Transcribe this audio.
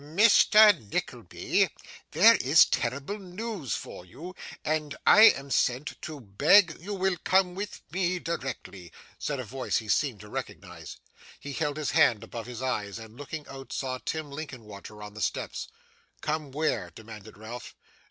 'Mr. Nickleby, there is terrible news for you, and I am sent to beg you will come with me directly,' said a voice he seemed to recognise. He held his hand above his eyes, and, looking out, saw Tim Linkinwater on the steps. 'Come where?' demanded Ralph.